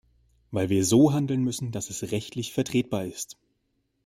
Weil wir so handeln müssen, dass es rechtlich vertretbar ist.